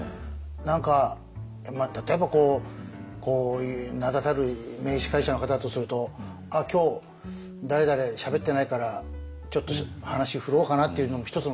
何か例えばこうこういう名だたる名司会者の方だとすると「あっ今日誰々しゃべってないからちょっと話振ろうかな」っていうのも一つの気遣いじゃないですか。